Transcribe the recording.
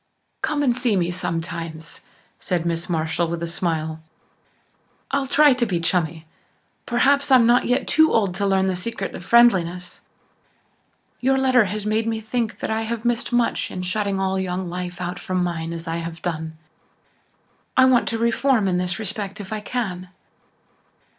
"Come and see me sometimes," said Miss Marshall with a smile. "I'll try to be 'chummy' perhaps I'm not yet too old to learn the secret of friendliness. Your letter has made me think that I have missed much in shutting all young life out from mine as I have done. I want to reform in this respect if I can."